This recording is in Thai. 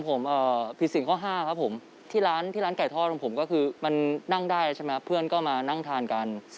ผมผิดสิ่งข้อห้าครับผมที่ร้านไก่ทอดของผมก็คือมันนั่งได้ใช่ไหมเพื่อนก็มานั่งทานกัน